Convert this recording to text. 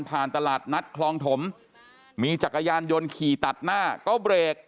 ตลาดนัดคลองถมมีจักรยานยนต์ขี่ตัดหน้าก็เบรก